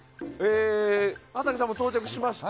はたけさんも到着しました。